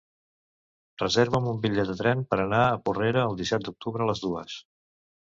Reserva'm un bitllet de tren per anar a Porrera el disset d'octubre a les dues.